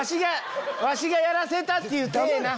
わしがやらせたっていう体な？